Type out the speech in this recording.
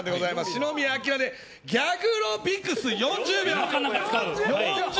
篠宮暁でギャグロビクス４０秒。